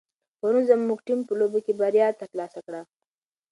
پرون زموږ ټیم په لوبه کې بریا ترلاسه کړه.